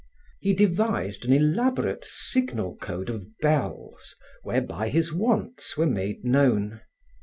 He devised an elaborate signal code of bells whereby his wants were made known.